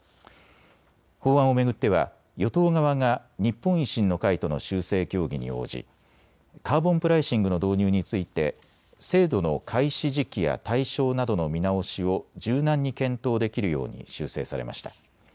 法案を巡っては与党側が日本維新の会との修正協議に応じカーボンプライシングの導入について制度の開始時期や対象などの見直しを柔軟に検討できるように修正されました。